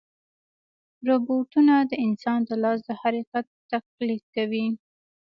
روبوټونه د انسان د لاس د حرکت تقلید کوي.